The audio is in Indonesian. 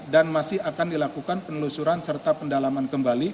dan masih akan dilakukan penelusuran serta pendalaman kembali